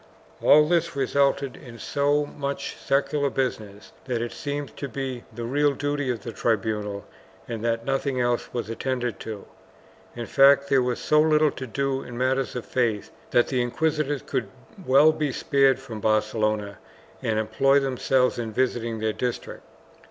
All this resulted in so much secular business that it seemed to be the real duty of the tribunal and that nothing else was attended to — in fact there was so little to do in matters of faith that the inquisitors could well be spared from Barcelona and employ themselves in visiting their district.